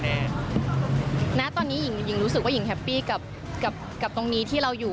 ณตอนนี้หญิงรู้สึกว่าหญิงแฮปปี้กับตรงนี้ที่เราอยู่